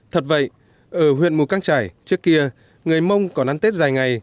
thật vậy ở huyện mù căng trải trước kia người mông còn ăn tết dài ngày